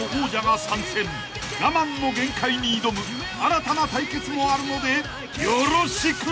［ガマンの限界に挑む新たな対決もあるのでよろしく！］